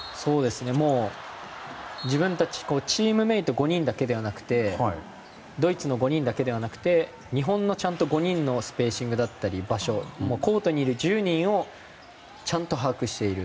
もう自分たちチームメート５人だけではなくてドイツの５人だけではなくて日本の５人のスペーシングや場所、コートにいる１０人をちゃんと把握している。